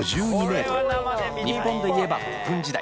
日本でいえば古墳時代